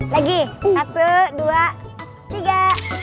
lagi satu dua tiga